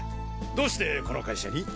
どうしてこの会社に？